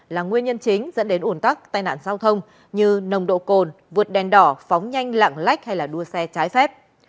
là nguyên nhân chính dẫn đến ủn tắc tai nạn giao thông như nồng độ cồn vượt đèn đỏ phóng nhanh lạng lách hay đua xe trái phép